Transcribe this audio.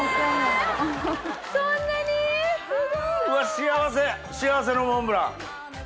幸せ幸せのモンブラン。